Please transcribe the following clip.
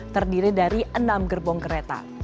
terdiri dari enam gerbong kereta